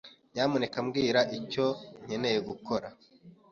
Nyamuneka mbwira icyo nkeneye gukora.